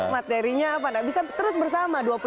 materinya apa nah bisa terus bersama